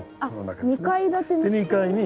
２階建ての下に？